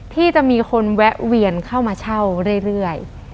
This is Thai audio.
ที่จะมีคนแวะเวียนเข้ามาเช่าเรื่อย